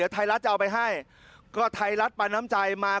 ไทยรัฐประนำใจมา